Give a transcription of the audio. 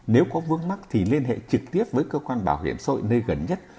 nếu có vương mắc thì liên hệ trực tiếp với cơ quan bảo hiểm sội nơi gần nhất